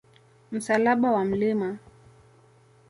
Msalaba wa Mt.